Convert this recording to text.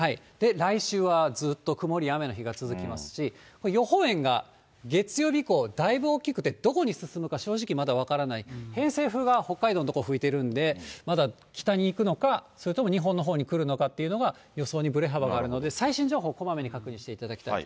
来週はずっと曇りや雨の日が続きますし、予報円が月曜日以降だいぶ大きくて、どこに進むか正直まだ分からない、偏西風が北海道の所に吹いてるんで、まだ、北に行くのか、それとも日本のほうに来るのかというのが、予想にぶれ幅があるので、最新情報をこまめに確認していただきたい。